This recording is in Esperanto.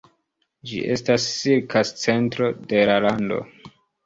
Ĝi estas silka centro de la lando.